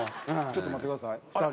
ちょっと待ってください２人。